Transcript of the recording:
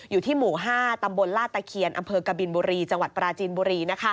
อยู่ที่หมู่๕ตำบลลาตะเขียนอำเภอกบิลบุรี